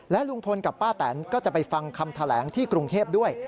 ลุงพลกับป้าแตนก็จะไปฟังคำแถลงที่กรุงเทพด้วย